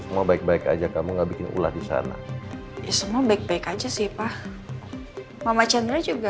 semua baik baik aja kamu nggak bikin ulah di sana semua baik baik aja sih pak mama cendri juga